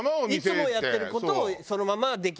いつもやってる事をそのままできる。